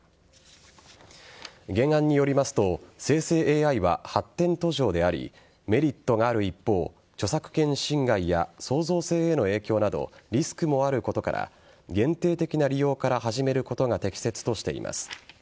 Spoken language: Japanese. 原案によりますと生成ＡＩは発展途上でありメリットがある一方著作権侵害や創造性への影響などリスクもあることから限定的な利用から始めることが適切としています。